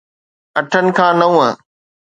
اٺن کان نو